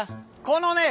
このね